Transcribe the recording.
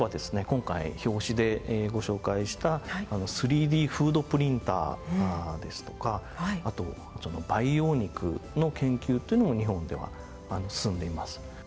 今回表紙でご紹介した３Ｄフードプリンターですとかあと培養肉の研究というのも日本では進んでいます。